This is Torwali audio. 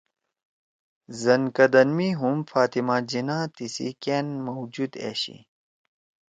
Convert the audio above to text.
زنکدن می ہُم فاطمہ جناح تیِسی کأن موجود أشی